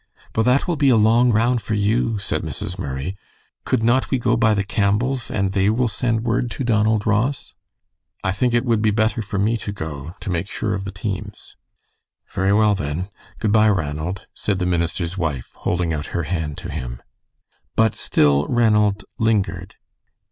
"But that will be a long round for you," said Mrs. Murray. "Could not we go by the Campbells', and they will send word to Donald Ross?" "I think it would be better for me to go, to make sure of the teams." "Very well, then. Good by, Ranald," said the minister's wife, holding out her hand to him. But still Ranald lingered.